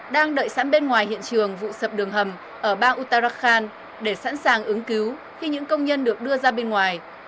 đang đợi sẵn bên ngoài hiện trường vụ sập đường hầm ở bang uttarakhand để sẵn sàng ứng cứu khi những công nhân được đưa ra bên ngoài